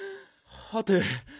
はて？